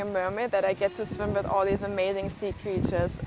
ini adalah salah satu dari kesempatan yang saya inginkan untuk membuat video ini